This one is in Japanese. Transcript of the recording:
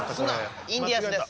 インディアンスです。